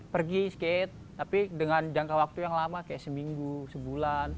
pergi skate tapi dengan jangka waktu yang lama kayak seminggu sebulan